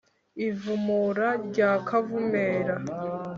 i vumura rya kavumera.